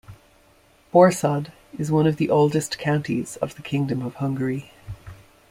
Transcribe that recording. Borsod is one of the oldest counties of the Kingdom of Hungary.